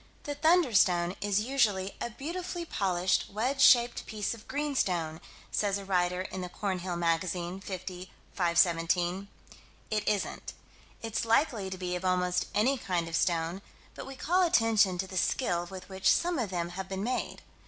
The "thunderstone" is usually "a beautifully polished, wedge shaped piece of greenstone," says a writer in the Cornhill Magazine, 50 517. It isn't: it's likely to be of almost any kind of stone, but we call attention to the skill with which some of them have been made.